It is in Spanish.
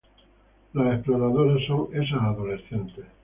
Las exploradoras son esas adolescentes